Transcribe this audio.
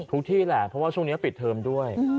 ที่แหละเพราะว่าช่วงนี้ปิดเทอมด้วย